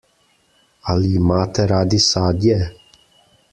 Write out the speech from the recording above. Ali imate radi sadje?